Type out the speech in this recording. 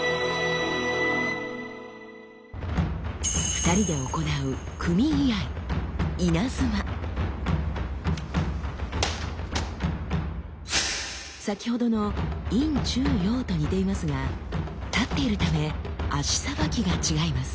２人で行う組居合先ほどの「陰中陽」と似ていますが立っているため足さばきが違います。